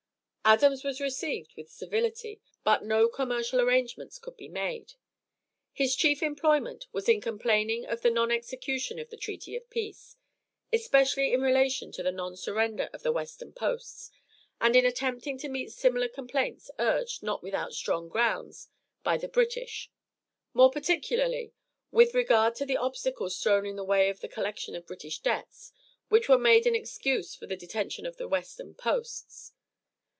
Adams was received with civility, but no commercial arrangements could be made. His chief employment was in complaining of the non execution of the treaty of peace, especially in relation to the non surrender of the western posts, and in attempting to meet similar complaints urged, not without strong grounds, by the British; more particularly with regard to the obstacles thrown in the way of the collection of British debts, which were made an excuse for the detention of the western posts.